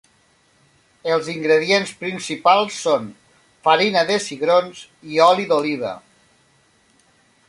Els ingredients principals són farina de cigrons i oli d'oliva.